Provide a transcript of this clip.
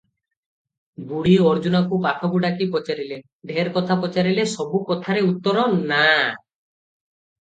ବୁଢୀ ଅର୍ଜୁନାକୁ ପାଖକୁ ଡାକି ପଚାରିଲେ - ଢେର କଥା ପଚାରିଲେ, ସବୁ କଥାରେ ଉତ୍ତର - "ନା" ।